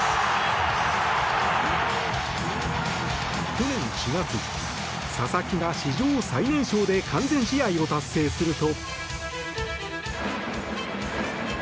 去年４月佐々木が史上最年少で完全試合を達成すると。